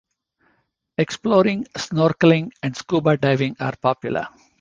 Exploring, snorkelling and scuba diving are popular.